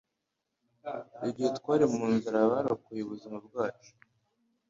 Igihe twari mu nzara, barokoye ubuzima bwacu.